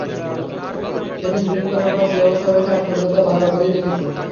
সেদিন ড্রিংক করার পর কী অবস্থা হয়েছে হাসপাতালে তা ভালো করেই দেখেছি।